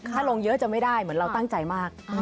ถ้าลงเยอะจะไม่ได้เหมือนเราตั้งใจมาก